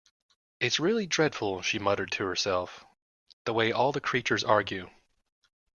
‘It’s really dreadful,’ she muttered to herself, ‘the way all the creatures argue’.